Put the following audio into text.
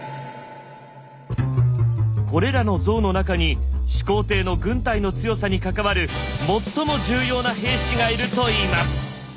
これらの像の中に始皇帝の軍隊の強さに関わる最も重要な兵士がいるといいます。